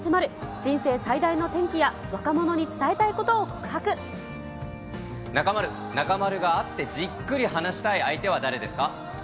人生最大の転機や若者に伝えたい中丸、中丸が会ってじっくり話したい相手は誰ですか？